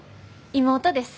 妹です。